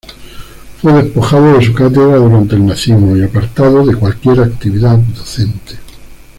Fue despojado de su cátedra durante el nazismo y apartado de cualquier actividad docente.